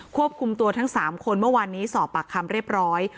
ควบคุมตัวทั้ง๓คนเมื่อวานนี้สอบปากคำเรียบร้อย